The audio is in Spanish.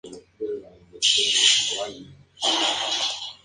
La fabricación se emprendió a escala inusitada en tres factorías: Moscú, y Vorónezh.